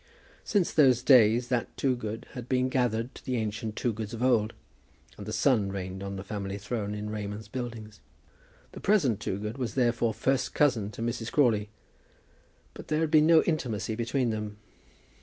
Since those days that Toogood had been gathered to the ancient Toogoods of old, and the son reigned on the family throne in Raymond's Buildings. The present Toogood was therefore first cousin to Mrs. Crawley. But there had been no intimacy between them.